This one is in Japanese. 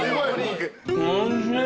おいしい。